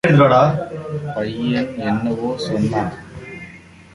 பையன் என்னவோ சொன்னான்.